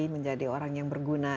menjadi orang yang berguna